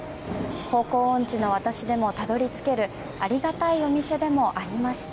方向音痴の私でもたどり着けるありがたいお店でもありました。